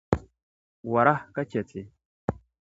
Wara ka chɛ ti.